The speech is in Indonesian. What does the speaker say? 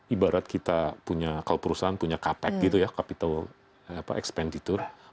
ibarat kita punya kalau perusahaan punya capek gitu ya capital expenditure